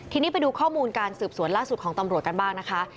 ทีนี้ไปดูข้อมูลการสืบสวนล่าสุดของตำรวจกันบ้างนะคะ